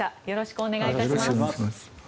よろしくお願いします。